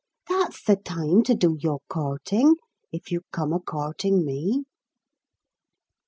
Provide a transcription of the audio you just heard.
That's the time to do your courting, if you come a courting me!"